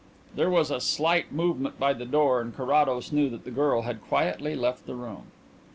There was a slight movement by the door and Carrados knew that the girl had quietly left the room.